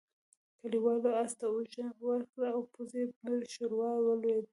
کليوالو آس ته اوږه ورکړه او پوځي پر ښوروا ولوېد.